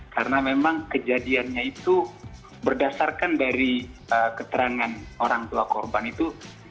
karena memang kejadiannya itu berdasarkan dari keterangan orang tua korban itu